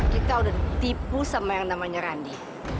kita udah ditipu sama yang namanya randi